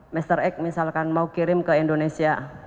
mr x misalkan mau kirim ke indonesia